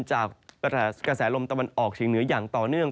จากกระแสลมตะวันออกเฉียงเหนืออย่างต่อเนื่อง